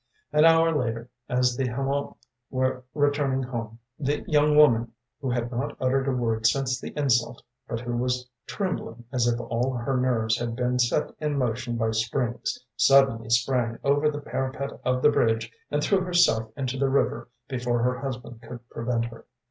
“An hour later, as the Hamots were returning home, the young woman, who had not uttered a word since the insult, but who was trembling as if all her nerves had been set in motion by springs, suddenly sprang over the parapet of the bridge and threw herself into the river before her husband could prevent her.